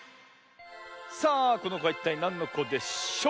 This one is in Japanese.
さあこのこはいったいなんのこでしょう？